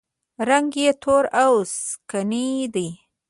رنګ یې تور او سکڼۍ دی.